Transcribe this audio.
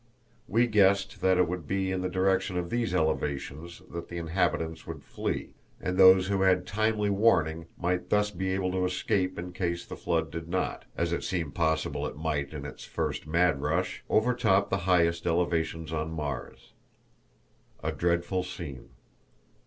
We guessed that it would be in the direction of these elevations that the inhabitants would flee, and those who had timely warning might thus be able to escape in case the flood did not as it seemed possible it might in its first mad rush overtop the highest elevations on Mars. A Dreadful Scene.